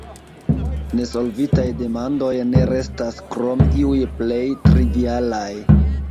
Nesolvitaj demandoj ne restas, krom iuj plej trivialaj.